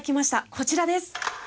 こちらです。